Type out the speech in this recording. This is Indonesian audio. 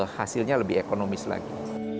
hasilnya lebih ekonomis lagi